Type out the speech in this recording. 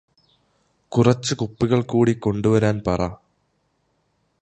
കുറച്ച് കുപ്പികൾ കൂടി കൊണ്ടുവരാൻ പറ